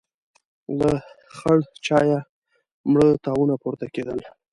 له خړ چايه مړه تاوونه پورته کېدل.